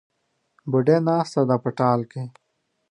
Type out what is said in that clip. بوډۍ ناسته ده په ټال کې